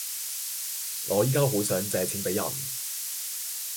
我依家好想借錢俾人